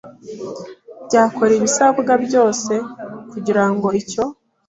byakora ibisabwa byose kugira ngo icyo